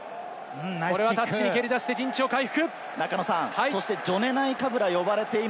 ここはタッチに蹴り出して陣地を回復。